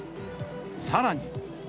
さらに。